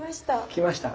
きました。